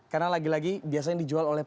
karena lagi lagi biasanya dijual oleh